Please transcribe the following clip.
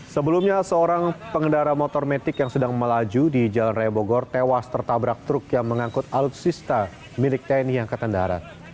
sebelumnya seorang pengendara motor metik yang sedang melaju di jalan raya bogor tewas tertabrak truk yang mengangkut alutsista milik tni angkatan darat